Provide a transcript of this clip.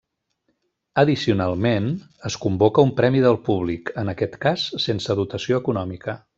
Addicionalment, es convoca un premi del públic, en aquest cas sense dotació econòmica.